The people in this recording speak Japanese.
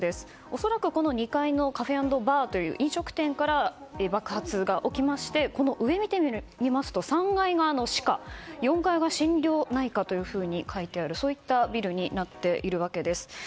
恐らく２階のカフェアンドバーという飲食店から爆発が起きましてその上を見てみますと３階が歯科、４階が心療内科と書いてあるというビルになっているわけです。